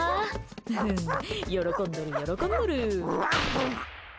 ふふ、喜んどる、喜んどる。